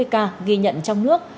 năm trăm chín mươi ca ghi nhận trong nước